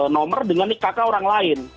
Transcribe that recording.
nomor dengan nikah kakak orang lain